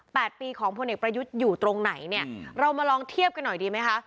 ปีของพลเอกประยุทธ์อยู่ตรงไหนเนี่ยเรามาลองเทียบกันหน่อยดีไหมคะ